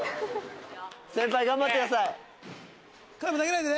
先輩頑張ってください。